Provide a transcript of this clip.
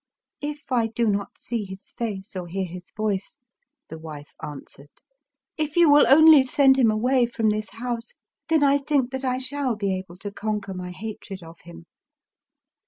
" If I do not see his face or hear his voice," the wife answered, —" if you will only send him away from this house, — then I think that I shall be able to conquer my hatred of him."